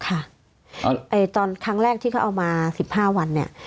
ตอนครั้งแรกที่เขาเอามา๑๕วันเนี่ย